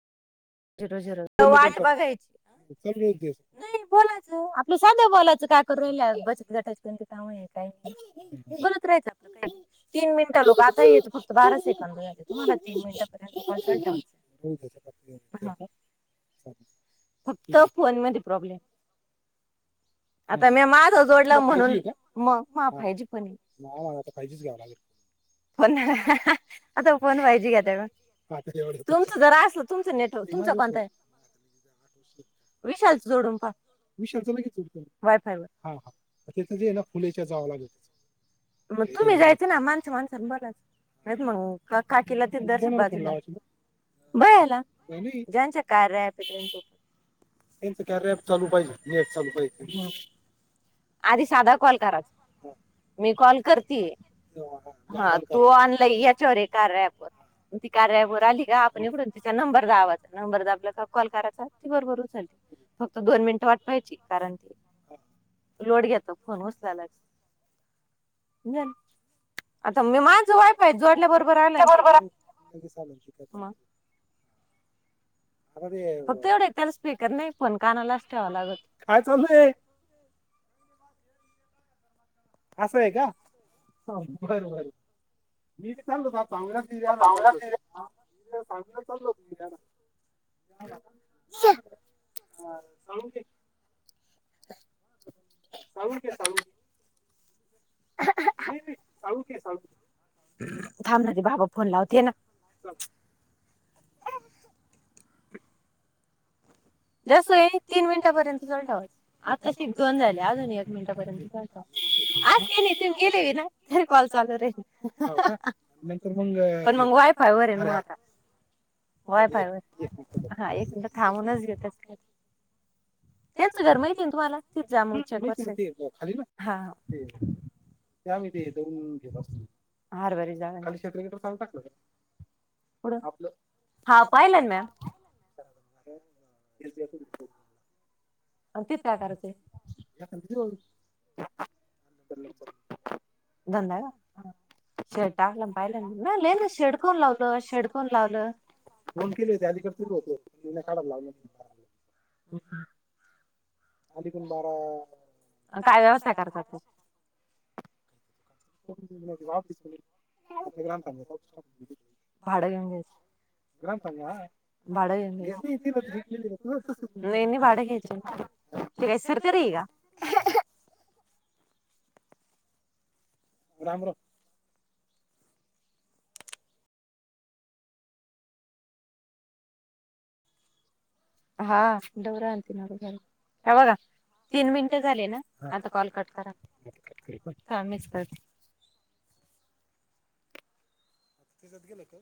Zero, zero. वाट बघायची नाही बोलायचं आपलं साधं बोलायचं का काय करु राहिल्या बचत गाटाचे कोणती काम आहे काही नाही बोलत राहायचं आपलं काही तीन मिनिटा लोक आता हे त फक्त बारा सेकंड झाले तुम्हाला तीन मिनिटपर्यंत कॉल चालु ठेवायचं. हा का. फक्त फोन मध्ये प्रॉब्लेम. आता मी माझ जोडला म्हणून फाईजी आहे मग फाईजी पण हे माला आता फाईजीच घ्यावा लागेल. फोन आता फोन फाईजी घेताका तुमचं जर असल तुमचं नेटवर्क तुमच कोणत आहे? विशालच जोडून पहा, विशालच लगेच जुडत वायफाय वर? हा तेथ ना फुलेच्या जाव लागल मग तुम्ही जायचे ना माणसं माणसन बोलाच ऐक ना मग क काकीला तीद [unintelligible] भय्यालाज्यांचे कार्या अँपे त्यांच त्यांच कार्य अँप चालू पाहिजे नेट चालू पाहिजे आधी साधा कॉल करा मी कॉल करतीये हा तू ऑनलाई याच्यावर ये कार्या अँप वर कार्यावर आली का आपण इकड तिचा नंबर दाबायचा नंबर दाब आप कॉल करायचा ती बरोबर उचलते फक्त दोन मिनिट वाटपायची कारण ते लोड घेतो फोन उसल्यालाच जाल आता मी माझं वायफाय जोडल्या बरोबर आलंय फक्त एवढं त्याला स्पीकर नाही फोन कानालाच ठेवा लागत काय चालू ये असं आहे का बर बर [unintelligible] साळुंके साळुंके साळुंके साळुंके थांबण ना ते बाबा फोन लावतेे ना जास्त नही तीन मिनटांर्यंत चालू ठेवायचा आत्ताशी दोन झाले अजून एक मिनटपर्यंत आज आस काही नाही तुम्ही गेले बी ना तरी कॉल चालू रहील अन नंतर मग पण मग वायफाय वर आहे मग आता वायफाय वर हा एक मिट थांबूनच घेत त्यांचं घर माहितीये ना तुम्हाला तीत जा मग हा हा ते आम्ही ते दळून घेत असतो खाली शरटर बिटर चांगू टाकलं का कुढ हा पाहिलं ना म्या पाहिलं ना म्या कारण आता एस बी आय [inaudible] आणि तिथं काय करायचं [unintelligible] धंदा हा शेड टाकलं पाहिले म ल ना शेडकून लावलं शेडकून लावलं फोन केले होते अधिकडे तुल होतो पण इन काढाला लावलं मी मारा ला अलीकण बारा अन काय व्यवसाय करतात ते भाडं घेऊन घ्यायच भाडं घेऊन घ्यायच नहीं नहीं भाडं घेऊन घ्यायच ते काय सरकारी ये का रामराम हा दौरा आलती ना बघायला हा बघा तीन मिनिटं झाली ना आता कॉल कट करा थांबा मीच करते त्यांच्यात गेल का काही